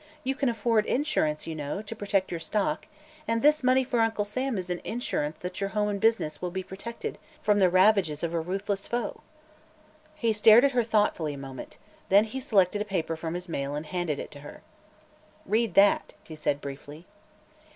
"You can afford insurance, you know, to protect your stock, and this money for Uncle Sam is an insurance that your home and business will be protected from the ravages of a ruthless foe." He stared at her thoughtfully a moment. Then he selected a paper from his mail and handed it to her. "Read that," he said briefly.